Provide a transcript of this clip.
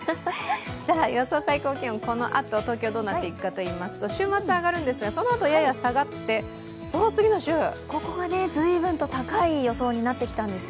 予想最高気温、このあと東京どうなっていくかといいますと週末、上がるんですが、そのあとやや下がってここがずいぶんと高い予想になっているんですよ。